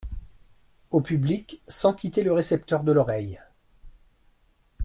Au public, sans quitter le récepteur de l’oreille.